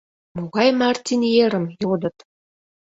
— Могай Мартин ерым? — йодыт.